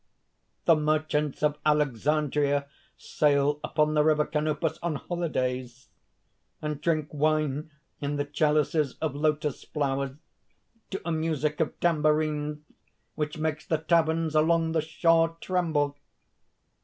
"The merchants of Alexandria sail upon the river Canopus on holidays, and drink wine in the chalices of lotus flowers, to a music of tambourines which makes the taverns along the shore tremble!